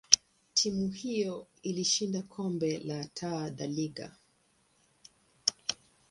timu hiyo ilishinda kombe la Taa da Liga.